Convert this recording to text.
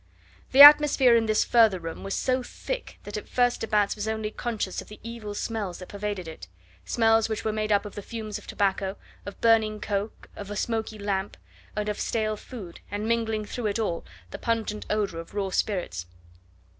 The atmosphere in this further room was so thick that at first de Batz was only conscious of the evil smells that pervaded it; smells which were made up of the fumes of tobacco, of burning coke, of a smoky lamp, and of stale food, and mingling through it all the pungent odour of raw spirits.